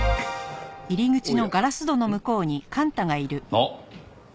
あっ。